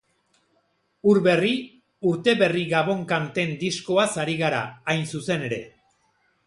Ur berri, urte berri gabon-kanten diskoaz ari gara, hain zuzen ere.